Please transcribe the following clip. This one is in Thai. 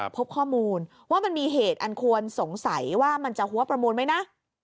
พบข้อมูลว่ามันมีเหตุอันควรสงสัยว่ามันจะหัวประมูลไหมนะ